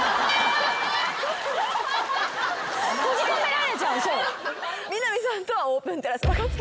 閉じ込められちゃう。